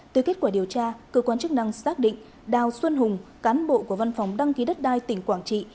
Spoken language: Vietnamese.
từ kết quả điều tra cơ quan chức năng xác định đào xuân hùng cán bộ của văn phòng đăng ký đất đai tỉnh quảng trị